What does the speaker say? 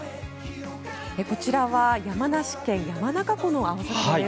こちらは山梨県・山中湖の青空です。